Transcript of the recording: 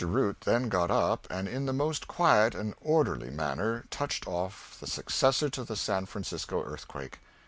Root then got up and in the most quiet and orderly manner touched off the successor to the San Francisco earthquake.